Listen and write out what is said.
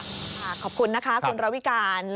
ขอบคุณนะคะคุณระวิการ